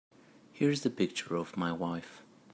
Here's the picture of my wife.